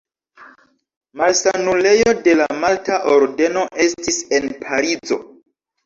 Malsanulejo de la Malta Ordeno estis en Parizo.